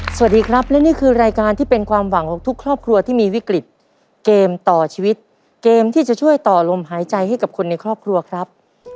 สวัสดีครับและนี่คือรายการที่เป็นความหวังของทุกครอบครัวที่มีวิกฤตเกมต่อชีวิตเกมที่จะช่วยต่อลมหายใจให้กับคนในครอบครัวครับ